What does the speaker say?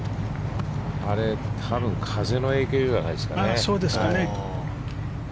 あれ、多分風の影響じゃないですかね。